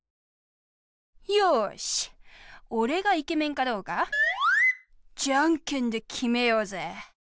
よしおれがイケメンかどうかジャンケンできめようぜ！